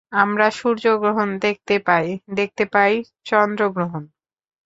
আমরা সূর্যগ্রহণ দেখতে পাই, দেখতে পাই চন্দ্রগ্রহণ।